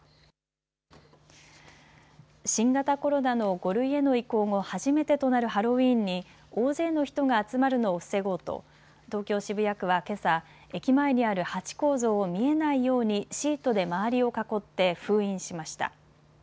新型コロナの５類への移行後初めてとなるハロウィーンに大勢の人が集まるのを防ごうと東京渋谷区はけさ、駅前にあるハチ公像を見えないようにシートで周りを囲って封印しました。